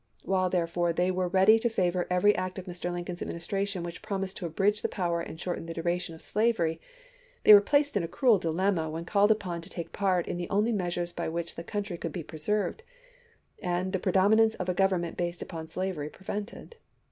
While, therefore, they were ready to favor every act of Mr. Lincoln's Administration which promised to abridge the power and shorten the duration of slavery, they were placed in a cruel dilemma when called upon to take part in the only measures by which the country could be preserved, and the pre dominance of a government based upon slavery prevented.